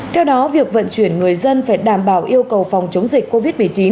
theo đó việc vận chuyển người dân phải đảm bảo yêu cầu phòng chống dịch covid một mươi chín